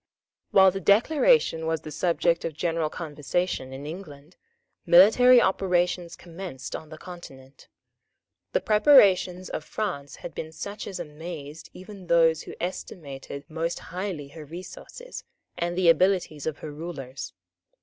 While the Declaration was the subject of general conversation in England, military operations recommenced on the Continent. The preparations of France had been such as amazed even those who estimated most highly her resources and the abilities of her rulers.